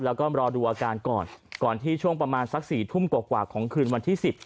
แล้วก็รอดูอาการก่อนก่อนที่ช่วงประมาณสัก๔ทุ่มกว่าของคืนวันที่สิบ